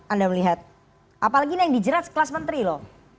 anda melihat apalagi yang dijerat kelas menteri lho